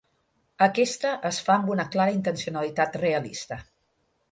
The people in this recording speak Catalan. Aquesta es fa amb una clara intencionalitat realista.